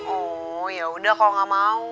oh yaudah kalau gak mau